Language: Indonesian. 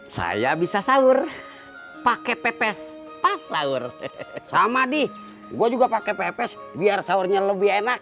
saya bisa sahur pakai pepes pas sahur sama nih gue juga pakai pepes biar sahurnya lebih enak